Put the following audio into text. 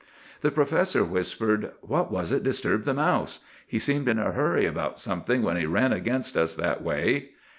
"The professor whispered, 'What was it disturbed the mouse? He seemed in a hurry about something when he ran against us that way.